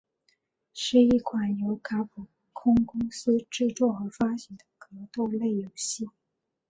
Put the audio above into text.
是一款由卡普空公司制作和发行的格斗类游戏。